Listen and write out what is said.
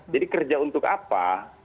jadi kerja untuk apa